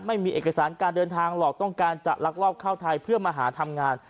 ไม่มีเอกสารการเดินทางหรอกต้องการจะลักลอบเข้าไทยเพื่อมาหาทำงาน